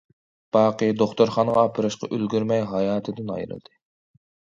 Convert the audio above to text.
باقى دوختۇرخانىغا ئاپىرىشقا ئۈلگۈرمەي ھاياتىدىن ئايرىلدى.